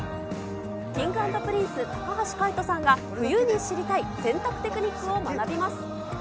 Ｋｉｎｇ＆Ｐｒｉｎｃｅ・高橋海人さんが、冬に知りたい洗濯テクニックを学びます。